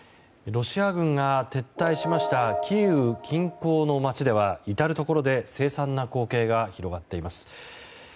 ロシア軍が撤退しましたキーウ近郊の街では至るところで凄惨な光景が広がっています。